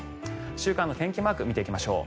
週間の天気マーク見ていきましょう。